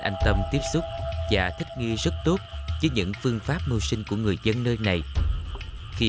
an tâm tiếp xúc và thích nghi rất tốt với những phương pháp mưu sinh của người dân nơi này khi